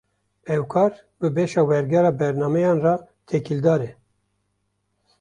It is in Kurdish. Ew kar, bi beşa wergera bernameyan re têkildar e